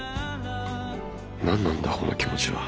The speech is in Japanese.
何なんだこの気持ちは。